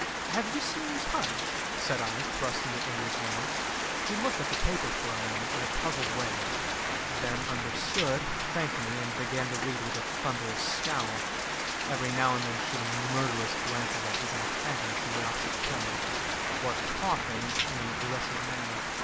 "Have you seen Punch?" said I, thrusting it into his hand. He looked at the paper for a moment in a puzzled way; then understood, thanked me, and began to read with a thunderous scowl, every now and then shooting murderous glances at his antagonist in the opposite corner, or coughing in an aggressive manner.